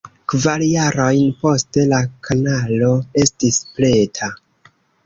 Kvar jarojn poste la kanalo estis preta.